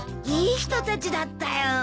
いい人たちだったよ。